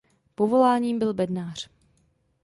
Povoláním byl bednář.